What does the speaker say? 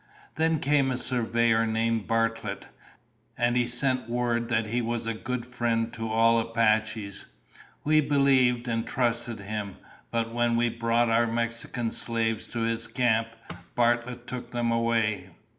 "Then came a surveyor named Bartlett, and he sent word that he was a good friend to all Apaches. We believed and trusted him, but when we brought our Mexican slaves to his camp, Bartlett took them away.